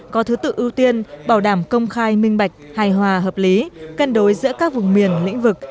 có thứ tự ưu tiên bảo đảm công khai minh bạch hài hòa hợp lý cân đối giữa các vùng miền lĩnh vực